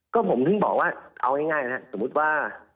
ก็ผมถึงบอกว่าเอาง่ายนะสมมุติว่า